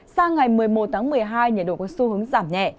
sang ngày một mươi một tháng một mươi hai nhiệt độ có xu hướng giảm nhẹ